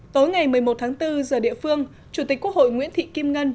tối ngày một mươi một tháng bốn giờ địa phương chủ tịch quốc hội nguyễn thị kim ngân